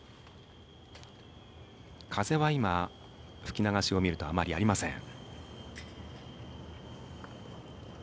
風は今吹き流しを見るとあまりありません。